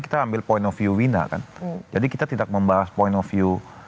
kita ambil point of view wina kan jadi kita tidak membahas point of view